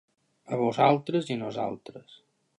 A vosaltres i a nosaltres.